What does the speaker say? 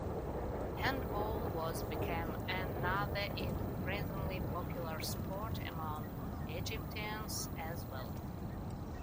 Handball has become another increasingly popular sport among Egyptians as well.